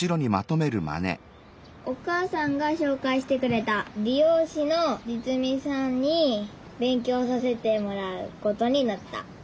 お母さんがしょうかいしてくれたりようしの實美さんにべんきょうさせてもらうことになった。